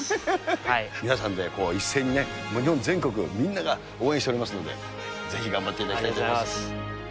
皆さんで一斉にね、日本全国みんなが応援しておりますので、ぜひ頑張っていただきたいと思いありがとうございます。